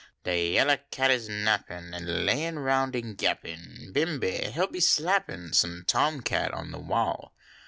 De ya.ller cat is nappin Kn layin roun an gappin ; Uimeby he will be slappin Some tom cat on de wall.